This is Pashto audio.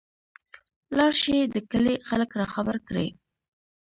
لاړشى د کلي خلک راخبر کړى.